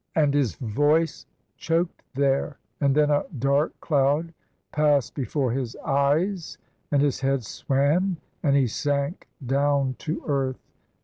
and his voice chok'd there. And then a dark cloud pass'd before his eyes, And his head swam, and he sank down to earth.